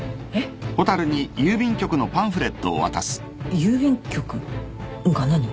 「郵便局」が何？